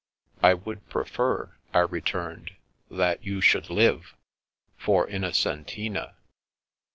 I would prefer," I returned, " that you should live — for Innocentina."